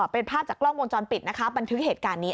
เป็นภาพจากกล้องวงจรปิดนะคะบันทึกเหตุการณ์นี้